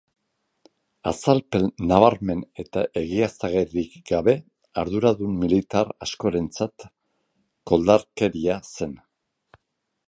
Azalpen nabarmen eta egiaztagarririk gabe, arduradun militar askorentzat koldarkeria zen.